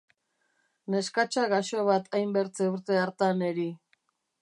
Neskatxa gaxo bat hainbertze urte hartan eri.